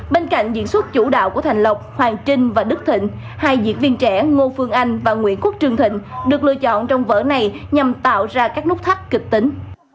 bên cạnh diễn xuất chủ đạo của thành lộc hoàng trinh và đức thịnh hai diễn viên trẻ ngô phương anh và nguyễn quốc trương thịnh được lựa chọn trong vở này nhằm tạo ra các nút thắt kịch tính